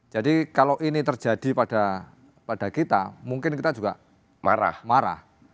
jadi kalau ini terjadi pada kita mungkin kita juga marah